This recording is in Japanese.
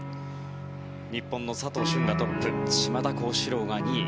日本の佐藤駿がトップ島田高志郎が２位。